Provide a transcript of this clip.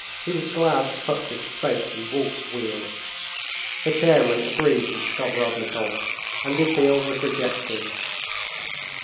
He was glad to put this spoke in Wolf's wheel. The chairman agreed with Skovorodnikoff, and the appeal was rejected.